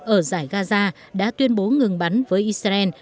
ở giải gaza đã tuyên bố ngừng bắn với israel